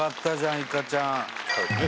いかちゃん